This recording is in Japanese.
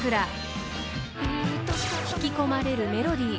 ［引き込まれるメロディー。